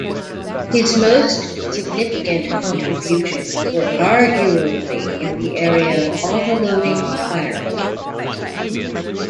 His most significant contributions were arguably in the area of autoloading firearms.